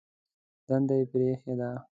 دنده یې پرېښې ده.